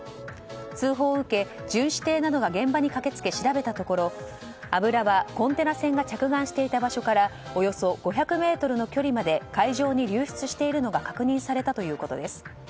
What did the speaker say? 通報を受け巡視艇などが現場に駆け付け調べたところ、油はコンテナ船が着岸していた場所からおよそ５００ｍの距離まで海上に流出しているのが確認されたということです。